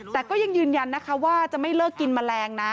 แต่ก็ยังยืนยันนะคะว่าจะไม่เลิกกินแมลงนะ